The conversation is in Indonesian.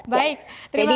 baik terima kasih